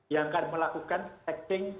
yang akan melakukan testing